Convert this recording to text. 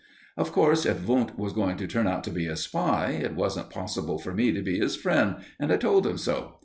Of course, if Wundt was going to turn out to be a spy, it wasn't possible for me to be his friend, and I told him so.